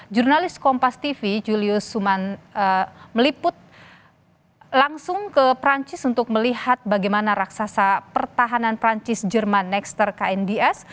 jurnalis kompas tv julius meliput langsung ke perancis untuk melihat bagaimana raksasa pertahanan perancis jerman nextr knds